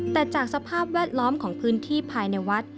แต่จากสภาพแวดล้อมของพื้นที่ภายในวัด